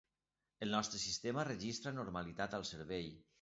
El nostre sistema registra normalitat al servei.